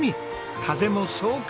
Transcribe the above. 風も爽快。